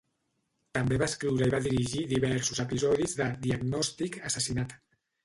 També va escriure i va dirigir diversos episodis de "Diagnòstic: Assassinat".